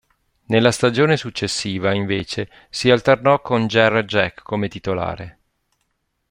Nella stagione successiva invece si alternò con Jarrett Jack come titolare.